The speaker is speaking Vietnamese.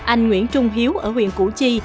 anh nguyễn trung hiếu ở huyện củ chi